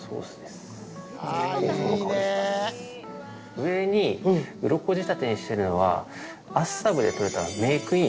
上に、うろこ仕立てにしているのは厚沢部でとれたメークイン。